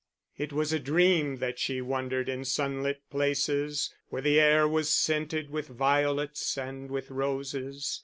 It was a dream that she wandered in sunlit places, where the air was scented with violets and with roses.